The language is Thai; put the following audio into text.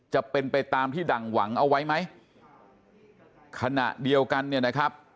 จะเป็นไปตามที่ดั่งหวังเอาไว้ไหมขณะเดียวกันเนี่ยนะครับ